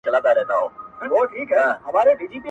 • د درد پېټی دي را نیم که چي یې واخلم..